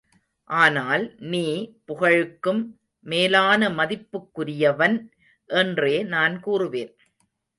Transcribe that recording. ஆனால் நீ புகழுக்கும் மேலான மதிப்புக்குரியவன் என்றே நான் கூறுவேன்.